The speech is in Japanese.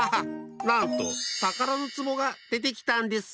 なんとたからのつぼがでてきたんです！